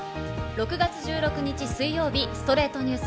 ６月１６日、水曜日『ストレイトニュース』。